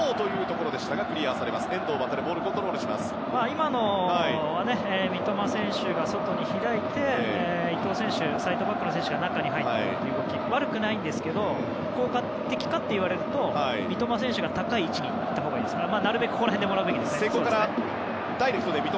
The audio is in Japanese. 今のプレーは三笘選手が外に開いて伊藤選手、サイドバックの選手が中に入る動き悪くないんですけど効果的かといわれると三笘選手が高い位置にいたほうがいいですよね。